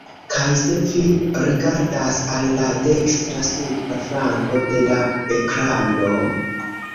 Kaj se vi rigardas al la dekstra supra flanko de la ekrano…